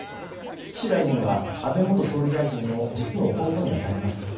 岸大臣は安倍元総理大臣の実の弟に当たります。